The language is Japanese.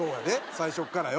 最初からよ。